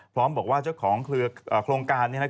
พร้อมบอกว่าเจ้าของเครือโครงการนี้นะครับ